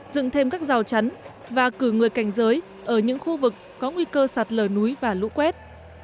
dựng thêm các rào chắn và cử người cảnh giới ở những khu vực có nguy cơ sạt lở núi và lũ quét